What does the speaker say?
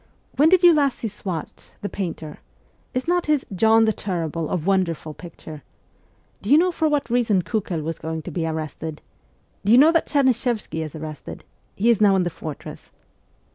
' When did you last see Schwartz, the painter? Is not his " John the Terrible " a wonderful picture ? Do you know for what reason Kiikel was going to be arrested? Do you know that Cherny shevsky is arrested ? He is now in the fortress.'